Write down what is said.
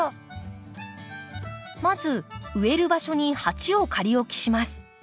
まず植える場所に鉢を仮置きします。